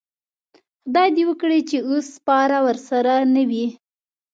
خدای دې وکړي چې اس سپاره ورسره نه وي.